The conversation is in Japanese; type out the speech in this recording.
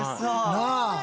なあ！